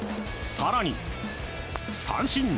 更に三振。